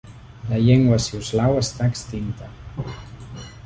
La llengua siuslaw està extinta.